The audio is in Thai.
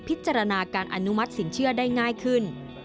พิจารณาการอนุมัติสินเชื่อได้ง่ายขึ้น